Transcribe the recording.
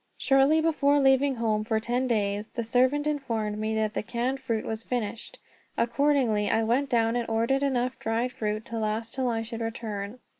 Shortly before leaving home for ten days, the servant informed me that the canned fruit was finished. Accordingly, I went down and ordered enough dried fruit to last till I should return.